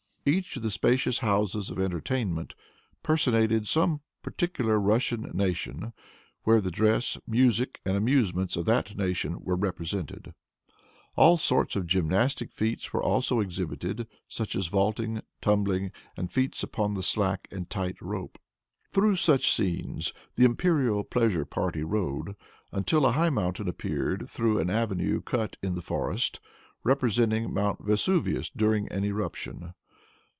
Each of the spacious houses of entertainment personated some particular Russian nation, where the dress, music and amusements of that nation were represented. All sorts of gymnastic feats were also exhibited, such as vaulting, tumbling and feats upon the slack and tight rope. Through such scenes the imperial pleasure party rode, until a high mountain appeared through an avenue cut in the forest, representing Mount Vesuvius during an eruption.